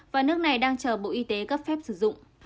và nước này đang chờ bộ y tế cấp phép sử dụng